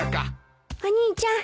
お兄ちゃん